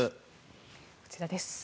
こちらです。